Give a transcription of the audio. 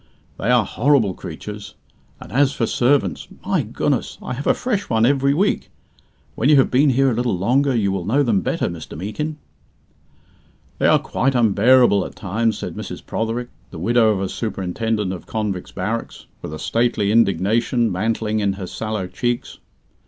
"They are horrible creatures. And as for servants my goodness, I have a fresh one every week. When you have been here a little longer, you will know them better, Mr. Meekin." "They are quite unbearable at times." said Mrs. Protherick, the widow of a Superintendent of Convicts' Barracks, with a stately indignation mantling in her sallow cheeks.